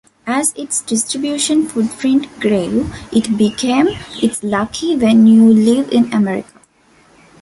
As its distribution footprint grew, it became "It's Lucky when you live in America".